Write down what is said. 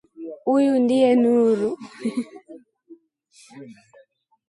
Huyu ndiye Nuru